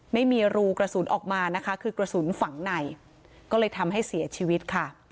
ไม่มีรูกระสุนออกมานะคะคือกระสุนฝังในก็เลยทำให้เสียชีวิตค่ะ